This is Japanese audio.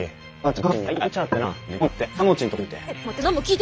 ちょっと待って！